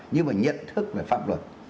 nhưng mà nhận thức là pháp luật